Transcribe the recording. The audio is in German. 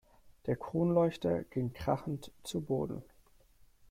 Der Kronleuchter ging krachend zu Boden.